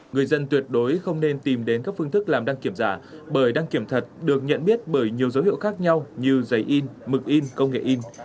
người dân tuyệt đối không nên tìm đến các phương thức làm đăng kiểm giả bởi đăng kiểm thật được nhận biết bởi nhiều dấu hiệu khác nhau như giấy in mực in công nghệ in